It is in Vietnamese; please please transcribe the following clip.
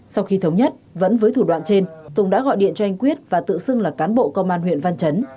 sau khi thống nhất vẫn với thủ đoạn trên tùng đã gọi điện cho anh quyết và tự xưng là cán bộ công an huyện văn chấn